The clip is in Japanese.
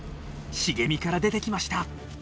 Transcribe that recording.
茂みから出てきました。